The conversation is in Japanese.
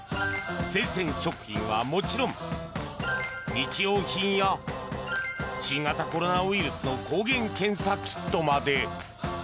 生鮮食品はもちろん、日用品や新型コロナウイルスの抗原検査キットまで。